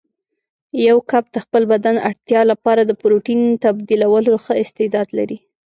یو کب د خپل بدن اړتیا لپاره د پروتین تبدیلولو ښه استعداد لري.